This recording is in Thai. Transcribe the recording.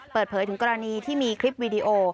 เปิดเผยถึงกรณีที่มีคลิปวีดีโอ